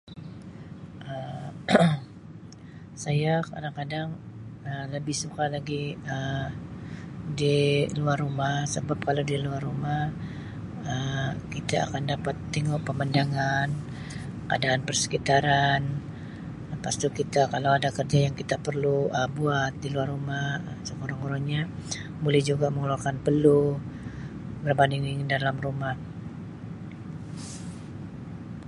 Um Saya kadang-kadang Um lebih suka lagi Um di luar rumah sebab kalau di luar rumah Um kita akan dapat tingu pemandangan keadaan persekitaran lepas tu kita kalau ada kerja yang kita perlu Um buat di luar rumah sekurang-kurangnya boleh juga mengeluarkan peluh berbanding di dalam rumah.